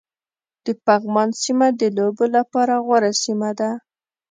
د پغمان سيمه د لوبو لپاره غوره سيمه ده